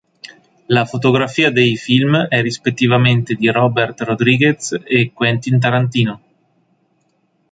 La fotografia dei film è rispettivamente di Robert Rodriguez e Quentin Tarantino.